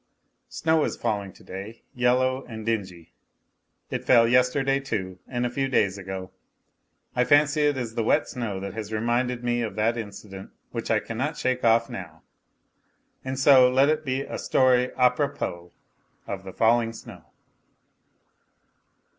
Snow is falling to day, yellow and dingy. It fell yesterday, too, and a few days ago. I fancy it is the wet snow that has reminded me of that incident which I cannot shake off now. And so let it be a story a propos of the falling snow.